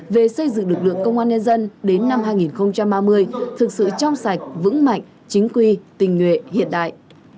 về xây dựng lực lượng công an nhân dân đến năm hai nghìn ba mươi thực sự trong sạch vững mạnh chính quy tình nguyện hiện đại